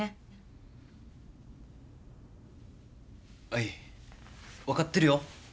あい分かってるよ。